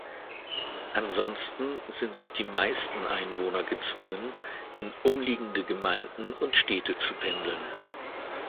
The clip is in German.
Ansonsten sind die meisten Einwohner gezwungen, in umliegende Gemeinden und Städte zu pendeln.